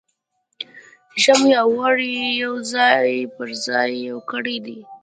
ژمی او اوړی یې پر ځان یو کړی دی.